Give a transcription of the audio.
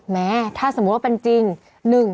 แม้ถ้าสมมุติว่าเป็นจริง